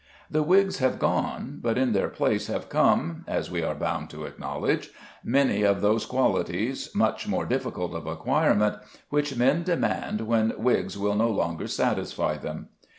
The wigs have gone, but in their places have come, as we are bound to acknowledge, many of those qualities, much more difficult of acquirement, which men demand when wigs will no longer satisfy them.